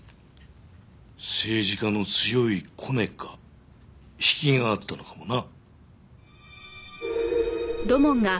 政治家の強いコネか引きがあったのかもな。